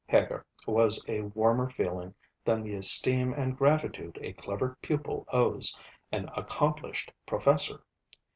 Heger was a warmer feeling than the esteem and gratitude a clever pupil owes an accomplished professor.